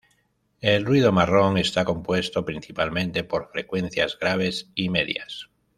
El ruido marrón está compuesto principalmente por frecuencias graves y medias.